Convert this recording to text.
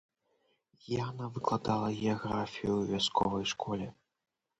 Яна выкладала геаграфію ў вясковай школе.